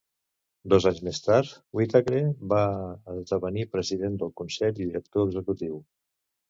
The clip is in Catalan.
Dos anys més tard, Whitacre va esdevenir president del consell i director executiu.